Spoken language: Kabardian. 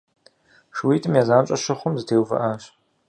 Шууитӏыр я занщӏэ щыхъум, зэтеувыӏащ.